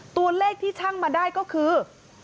ตัวเลขที่ช่างมาได้ก็คือ